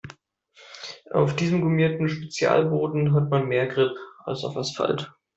Auf diesem gummierten Spezialboden hat man mehr Grip als auf Asphalt.